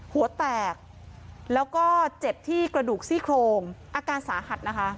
หัวแตกแล้วก็เจ็บที่กระดูกซี่โครงอาการสาหัสนะคะ